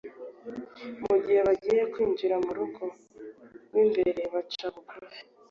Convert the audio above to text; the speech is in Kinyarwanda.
Igihe bagiye kwinjira mu rugo rw’ imbere baca bugufi